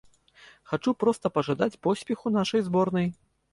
Хачу проста пажадаць поспеху нашай зборнай.